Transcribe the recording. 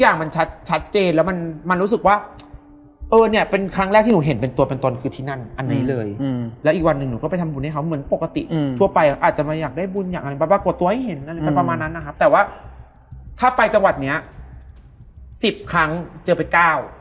น้ำวัสการนั่นนี่เราก็ไม่รู้เราก็เด็ก